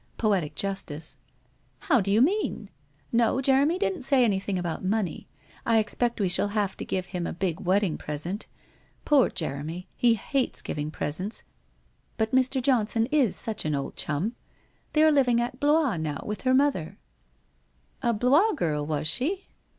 Poetic justice/ * How do you mean ? No, Jeremy didn't say anything about money. I expect we shall have to give him a big wedding present. Poor Jeremy ! he hates giving presents, WHITE ROSE OF WEARY LEAF 325 but Mr. Johnson is such an old chum ! They are living at Blois now with her mother ' 'A Blois girl, was she?'